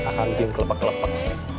akang bingung kelepek kelepek